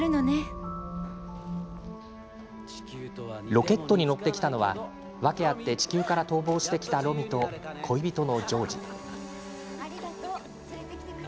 ロケットに乗ってきたのは訳あって地球から逃亡してきたロミと恋人のジョージ。